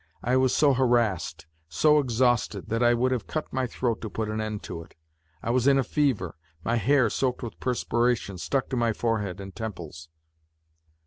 I was so harassed, so exhausted, that I would have cut my throat to put an end to it. I was in a fever; my huir, soaked with perspiration, stuck to my forehead and temples.